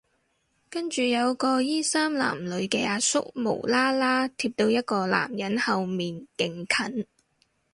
跟住有個衣衫襤褸嘅阿叔無啦啦貼到一個男人後面勁近